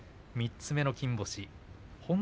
３つ目の金星